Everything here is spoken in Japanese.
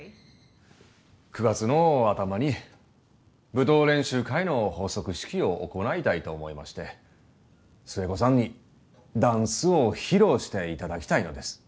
９月の頭に舞踏練習会の発足式を行いたいと思いまして寿恵子さんにダンスを披露していただきたいのです。